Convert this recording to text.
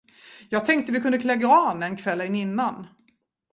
Jag tänkte vi kunde klä granen kvällen innan.